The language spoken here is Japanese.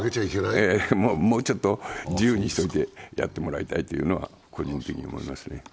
もうちょっと自由にしておいてやってもらいたいというのは個人的には思いますね。